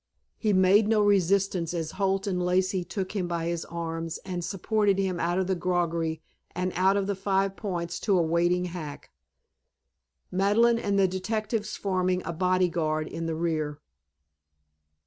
He made no resistance as Holt and Lacey took him by his arms and supported him out of the groggery and out of the Five Points to a waiting hack; Madeleine and the detectives forming a body guard in the rear.